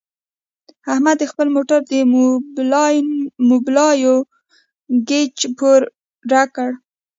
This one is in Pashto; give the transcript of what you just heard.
احمد د خپل موټر د مبلایلو ګېچ پوره کړ.